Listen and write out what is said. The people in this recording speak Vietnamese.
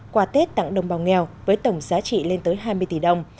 quà tết tặng đồng bào nghèo với tổng giá trị lên tới hai mươi tỷ đồng